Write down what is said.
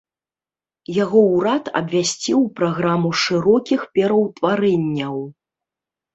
Яго ўрад абвясціў праграму шырокіх пераўтварэнняў.